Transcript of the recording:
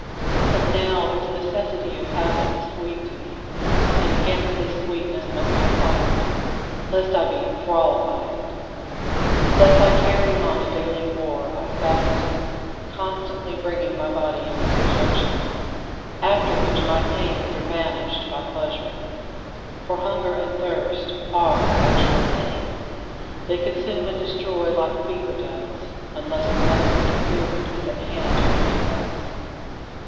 But now the necessity of habit is sweet to me, and against this sweetness must I fight, lest I be enthralled by it. Thus I carry on a daily war by fasting, constantly "bringing my body into subjection," after which my pains are banished by pleasure. For hunger and thirst are actual pain. They consume and destroy like fever does, unless the medicine of food is at hand to relieve us.